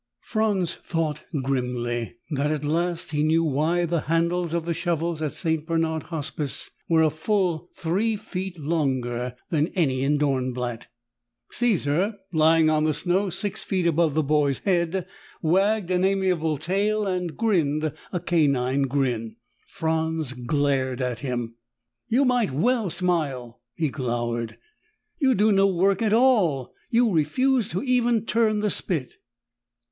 Franz thought grimly that, at last, he knew why the handles of the shovels at St. Bernard Hospice were a full three feet longer than any in Dornblatt. Caesar, lying on the snow six feet above the boy's head, wagged an amiable tail and grinned a canine grin. Franz glared at him. "You might well smile!" he glowered. "You do no work at all! You refuse even to turn the spit!"